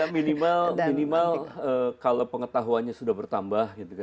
minimal kalau pengetahuannya sudah bertambah